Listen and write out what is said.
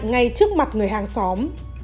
ngay trước mặt người hàng xóm